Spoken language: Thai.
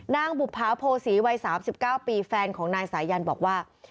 บุภาโภษีวัย๓๙ปีแฟนของนายสายันบอกว่า